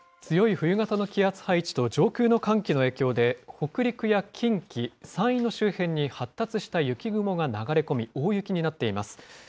強い冬型の気圧配置と上空の寒気の影響で、北陸や近畿、山陰の周辺に発達した雪雲が流れ込み、大雪になっています。